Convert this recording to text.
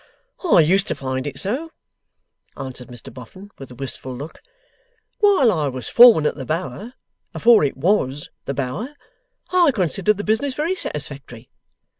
'I used to find it so,' answered Mr Boffin, with a wistful look. 'While I was foreman at the Bower afore it WAS the Bower I considered the business very satisfactory.